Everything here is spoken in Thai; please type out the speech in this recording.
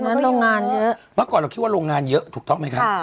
เมื่อก่อนเราคิดว่าโรงงานเยอะถูกต้องไหมไง